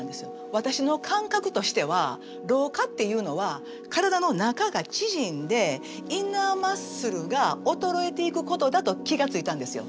私の感覚としては老化っていうのは体の中が縮んでインナーマッスルが衰えていくことだと気が付いたんですよ。